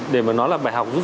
để mà nói là bài học rút ra